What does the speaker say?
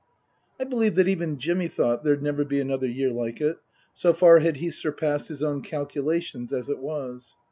I believe that even Jimmy thought there'd never be another year like it, so far had he surpassed his own calcu lations, as it was.